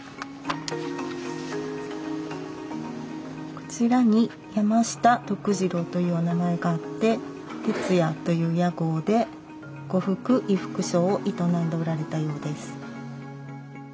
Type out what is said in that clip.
こちらに山下徳治郎というお名前があって「てつや」という屋号で呉服衣服商を営んでおられたようです。